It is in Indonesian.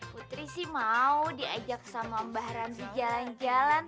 putri sih mau diajak sama mbak ramzi jalan jalan